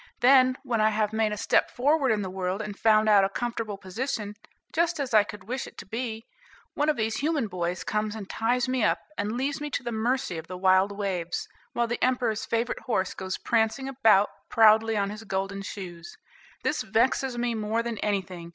Then, when I have made a step forward in the world, and found out a comfortable position, just as I could wish it to be, one of these human boys comes and ties me up, and leaves me to the mercy of the wild waves, while the emperor's favorite horse goes prancing about proudly on his golden shoes. This vexes me more than anything.